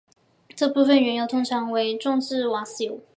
这部分原油通常称为重质瓦斯油。